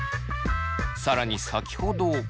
更に先ほど。